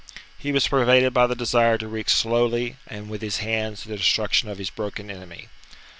He was pervaded by the desire to wreak slowly and with his hands the destruction of his broken enemy.